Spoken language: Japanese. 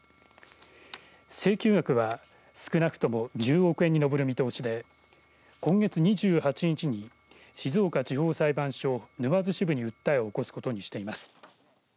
請求額は、少なくとも１０億円に上る見通しで今月２８日に静岡地方裁判所沼津支部に訴えを起こすことにしています。